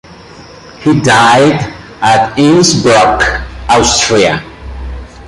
He died at Innsbruck, Austria.